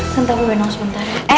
tante aku mau bina osmentara